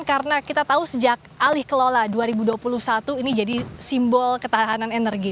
karena kita tahu sejak alih kelola dua ribu dua puluh satu ini jadi simbol ketahanan energi